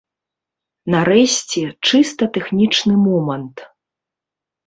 Нарэшце, чыста тэхнічны момант.